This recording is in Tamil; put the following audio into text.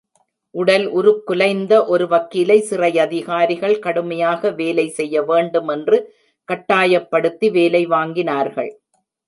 உடல் உருக்குலைந்த ஒரு வக்கீலை, சிறையதிகாரிகள் கடுமையாக வேலை செய்ய வேண்டும் என்று கட்டாயப்படுத்தி வேலை வாங்கினார்கள்.